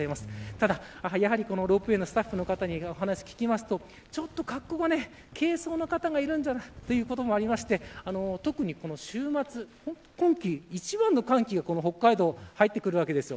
ただ、ロープウエーのスタッフの方に話を聞くと格好が軽装な方がいるということもあって特にこの週末今季一番の寒気が北海道に入ってくるわけです。